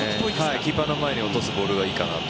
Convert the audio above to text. キーパーの前に落とすボールがいいかなと。